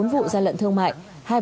bốn vụ gian lận thương mại